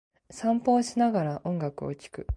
散歩をしながら、音楽を聴く。